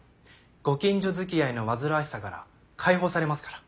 ご近所づきあいの煩わしさから解放されますから。